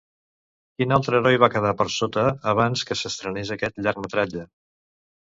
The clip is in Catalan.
Quin altre heroi va quedar per sota abans que s'estrenés aquest llargmetratge?